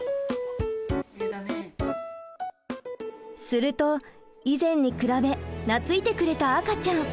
すると以前に比べ懐いてくれた赤ちゃん。